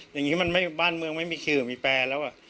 อย่างนี้บ้านเมืองไม่มีคือมีแปรแล้ว